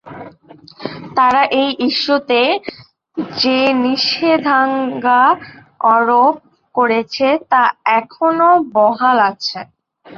তারা এই ইস্যুতে যে নিষেধাজ্ঞা আরোপ করেছে, তা এখনো বহাল আছে।